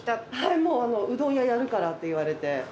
「うどん屋やるから」って言われて。